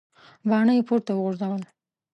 باڼه یې پورته وغورځول.